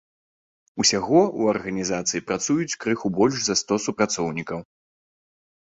Усяго ў арганізацыі працуюць крыху больш за сто супрацоўнікаў.